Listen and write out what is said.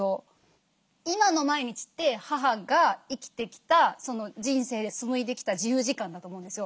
今の毎日って母が生きてきたその人生で紡いできた自由時間だと思うんですよ。